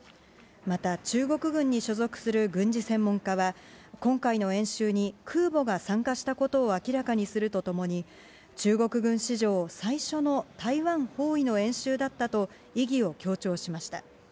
また中国軍に所属する軍事専門家は、今回の演習に空母が参加したことを明らかにするとともに、中国軍史上最初の台湾包囲の演習だったと、意義を強調しました。